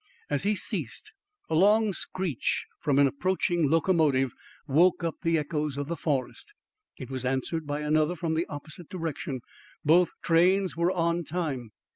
As he ceased, a long screech from an approaching locomotive woke up the echoes of the forest. It was answered by another from the opposite direction. Both trains were on time.